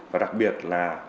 và đặc biệt là